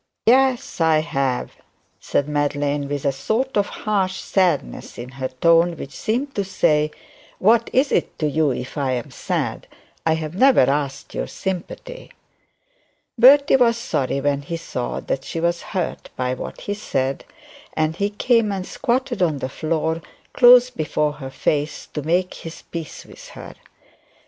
'Yes, I have,' said Madeline, with a sort of harsh sadness in her tone, which seemed to say What is it to you if I am sad? I have never asked your sympathy. Bertie was sorry when he saw that she was hurt by what he said, and he came and squatted on the floor close before her face to make his peace with her.